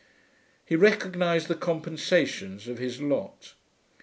He recognised the compensations of his lot.